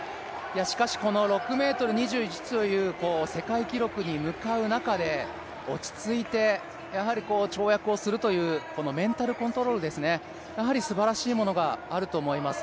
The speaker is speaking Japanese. しかし、この６ｍ２１という世界記録に向かう中で落ち着いて跳躍をするというメンタルコントロールですね、すばらしいものがあると思います。